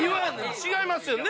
違いますよね？